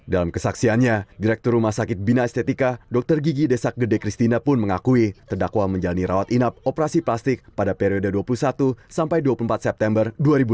dalam kesaksiannya direktur rumah sakit bina estetika dr gigi desak gede kristina pun mengakui terdakwa menjalani rawat inap operasi plastik pada periode dua puluh satu sampai dua puluh empat september dua ribu dua puluh